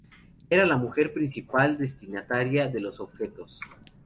Era la mujer la principal destinataria de los objetos.